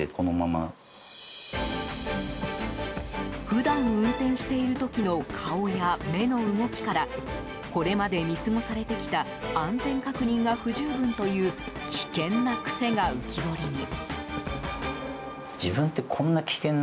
普段、運転している時の顔や目の動きからこれまで見過ごされてきた安全確認が不十分という危険な癖が浮き彫りに。